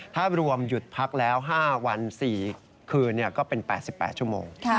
ถ้ารวมหยุดพักแล้ว๕วัน๔คืนก็เป็น๘๘ชั่วโมง